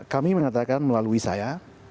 kami mengatakan melalui saya